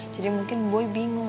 jadi mungkin gue bingung